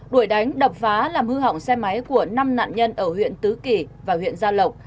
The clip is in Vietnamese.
đuổi đánh đập phá làm hư hỏng xe máy của năm nạn nhân ở huyện tứ kỳ và huyện gia lộc